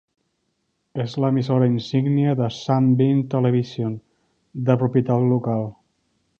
És l'emissora insígnia de Sunbeam Television, de propietat local.